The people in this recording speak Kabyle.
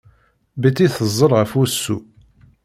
Betty teẓẓel ɣef wusu.